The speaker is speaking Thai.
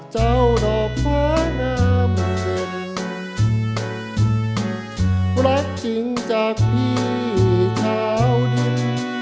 เจ้าดอกฟ้างามรักจริงจากพี่เช้าดิน